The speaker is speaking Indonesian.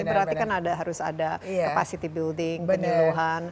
ini berarti kan harus ada capacity building peniluhan